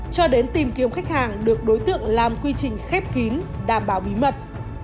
cho đến tìm kiếm khách hàng được đối tượng làm quy trình khép kín đảm bảo bí mật